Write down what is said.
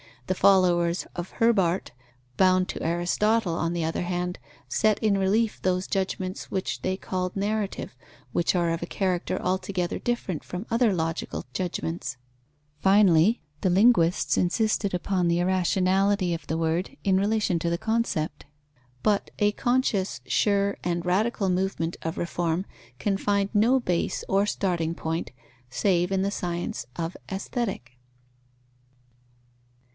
The followers of Herbart, bound to Aristotle, on the other hand, set in relief those judgments which they called narrative, which are of a character altogether different from other logical judgments. Finally, the linguists insisted upon the irrationality of the word, in relation to the concept. But a conscious, sure, and radical movement of reform can find no base or starting point, save in the science of Aesthetic.